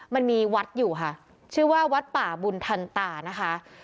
มันมีวัดอยู่ค่ะชื่อว่าวัดป่าบุญทันตานะคะ